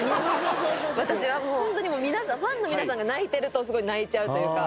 私はもうホントにファンの皆さんが泣いているとすごい泣いちゃうというか。